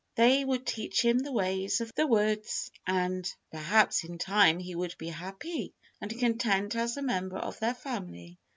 They would teach him the ways of the woods, and perhaps, in time he would be happy and content as a member of their family.